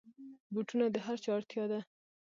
بوټونه د هرچا اړتیا ده.